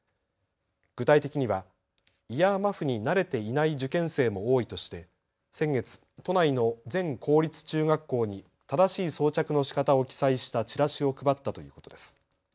具体的にはイヤーマフに慣れていない受験生も多いとして先月、都内の全公立中学校に正しい装着のしかたを記載したチラシを配ったということです。